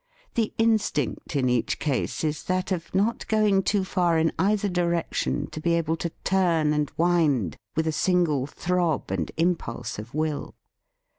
The instinct in each case is that of not going too far in either direction to be able to turn and wind with a single throb and impulse of will.